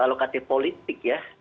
alokatif politik ya